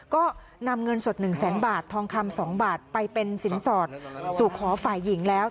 ก็นำเงินสด๑แสนบาททองคำ๒บาทไปเป็นสินสอดสู่ขอฝ่ายหญิงแล้ว